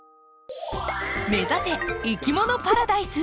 目指せいきものパラダイス！